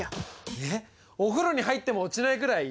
えっお風呂に入っても落ちないぐらい？